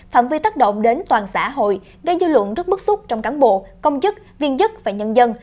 phạm vi tác động đến toàn xã hội gây dư luận rất bức xúc trong cán bộ công chức viên chức và nhân dân